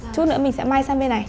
chút nữa mình sẽ may sang bên này